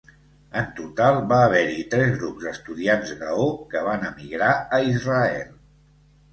En total va haver-hi tres grups d'estudiants gaó que van emigrar a Israel.